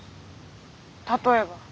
例えば？